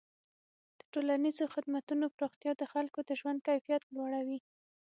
د ټولنیزو خدمتونو پراختیا د خلکو د ژوند کیفیت لوړوي.